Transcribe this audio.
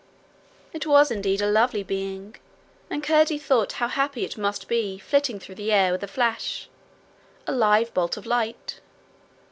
It was indeed a lovely being, and Curdie thought how happy it must be flitting through the air with a flash a live bolt of light.